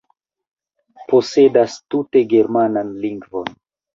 posedas tute germanan lingvon.